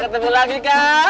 ketemu lagi kan